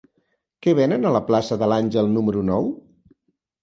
Què venen a la plaça de l'Àngel número nou?